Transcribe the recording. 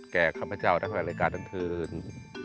แก่ข้าพเจ้านักฝ่ายรายการนักธรรมศึกษ์